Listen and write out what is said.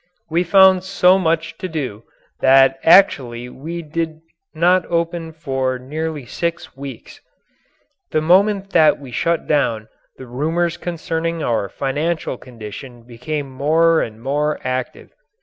We found so much to do that actually we did not open for nearly six weeks. The moment that we shut down the rumours concerning our financial condition became more and more active.